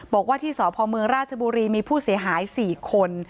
บอกว่าที่สพเมืองราชบุรีมีผู้เสียหาย๔คน